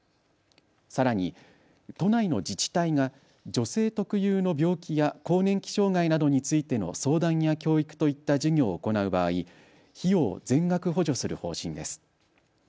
さらに、都内の自治体が女性特有の病気や更年期障害などについての相談や教育といった授業を行う場合、費用を全額補助する方針です。